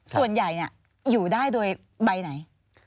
ส่วนใหญ่อยู่ได้โดยใบไหน